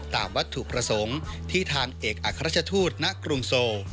ตามวัตถุประสงค์ที่ทางเอกอัครราชทูตณกรุงโซ